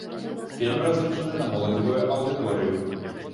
Фільм разлічаны на моладзевую аўдыторыю.